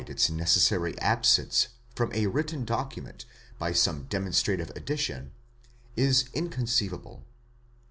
its necessary absence from a written document by some demonstrative addition, is inconceivable.